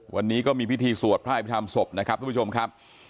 วันนี้ก็มีพิธีสวดพระอภิษฐรรมศพนะครับทุกผู้ชมครับ